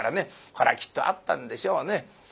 これはきっとあったんでしょうね。